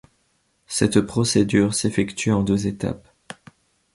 Cette procédure s'effectue en deux étapes.